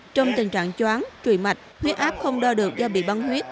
trong tình trạng chóng trùy mạch huyết áp không đo được do bị băng huyết